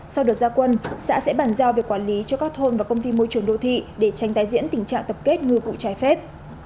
sau đợt gia quân xã sẽ bàn giao việc quản lý cho các thôn và công ty môi trường đô thị để tránh tái diễn tình trạng tập kết ngư cụ trái phép